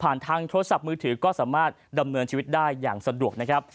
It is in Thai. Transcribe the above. ทางโทรศัพท์มือถือก็สามารถดำเนินชีวิตได้อย่างสะดวกนะครับ